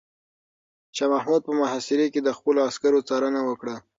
شاه محمود په محاصره کې د خپلو عسکرو څارنه وکړه.